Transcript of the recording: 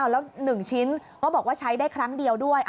แล้ว๑ชิ้นก็บอกว่าใช้ได้ครั้งเดียวด้วย